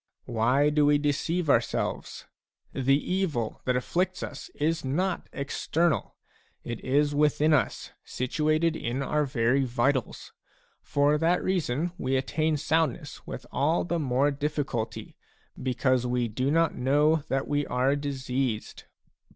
Why do we deceive ourselves ? The evil that afflicts us is not external, it is within us, situated in our very vitals ; for that reason we attain soundness with all the more diffi culty, because we do not know that we are diseased.